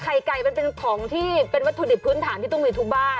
ไก่มันเป็นของที่เป็นวัตถุดิบพื้นฐานที่ต้องมีทุกบ้าน